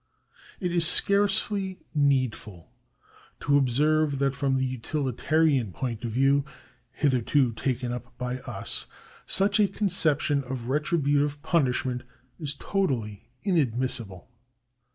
It is scarcely needful to observe that from the utilitarian point of view hitherto taken up by us such a conception of retributive punishment is totally inadmissible.